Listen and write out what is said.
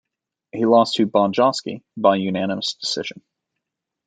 He lost to Bonjasky by unanimous decision.